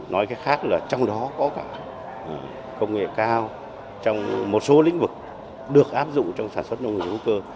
nói cái khác là trong đó có cả công nghệ cao trong một số lĩnh vực được áp dụng trong sản xuất nông nghiệp hữu cơ